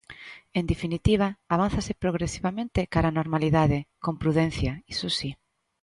En definitiva, avánzase progresivamente cara á normalidade; con prudencia, iso si.